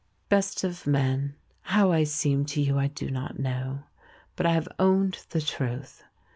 Best of men, how I seem to you I do not know, but I have owned the truth.